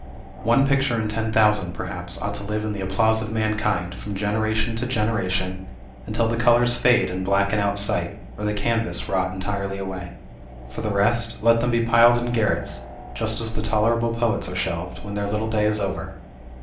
One picture in ten thousand, perhaps, ought to live in the applause of mankind, from generation to generation, until the colors fade and blacken out of sight, or the canvas rot entirely away. For the rest, let them be piled in garrets, just as the tolerable poets are shelved, when their little day is over.